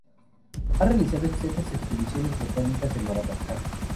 Ha realizado extensas expediciones botánicas en Madagascar.